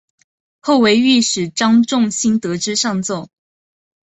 后为御史张仲炘得知上奏。